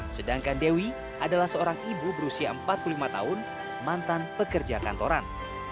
sedangkan dewi adalah seorang ibu berusia empat puluh lima tahun mantan pekerja kantoran